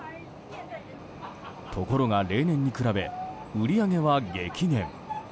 ところが、例年に比べ売り上げは激減。